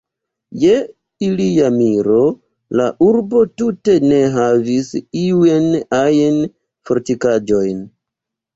Je ilia miro, la urbo tute ne havis iujn ajn fortikaĵojn.